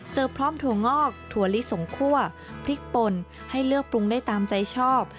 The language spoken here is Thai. พร้อมถั่วงอกถั่วลิสงคั่วพริกปนให้เลือกปรุงได้ตามใจชอบ